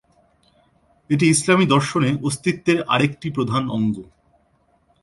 এটি ইসলামি দর্শনে অস্তিত্বের আরেকটি প্রধান অঙ্গ।